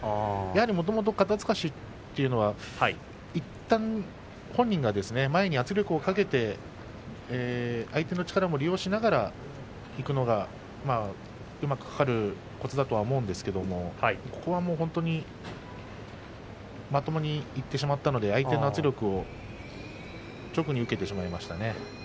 やはりもともと肩すかしというのはいったん本人が前に圧力をかけて相手の力を利用しながらいくのがうまくかかるコツだと思うんですけれどもここは、もう本当にまともにいってしまったので相手の圧力を直に受けてしまいましたね。